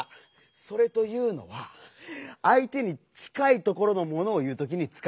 「それ」というのはあい手にちかいところのものをいうときにつかうんだ。